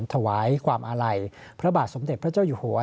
ถวายความอาลัยพระบาทสมเด็จพระเจ้าอยู่หัว